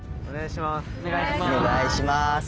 お願いします。